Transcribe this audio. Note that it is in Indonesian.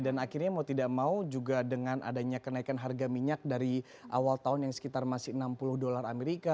dan akhirnya mau tidak mau juga dengan adanya kenaikan harga minyak dari awal tahun yang sekitar masih enam puluh dolar amerika